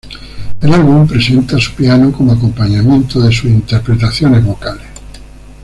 El álbum presenta su piano como acompañamiento de sus interpretaciones vocales.